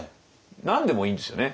何でもいいんですよね。